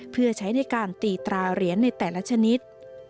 เพื่อใช้ในการตีตราเหรียญในแต่ละชนิด